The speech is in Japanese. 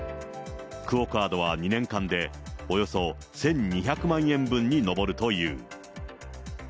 クオカードは２年間でおよそ１２００万円分に上るという。